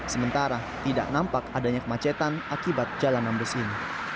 sementara tidak nampak adanya kemacetan akibat jalan ambles ini